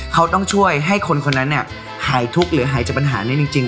เขาต้องช่วยให้คนคนนั้นหายทุกข์หรือหายจากปัญหานี้จริง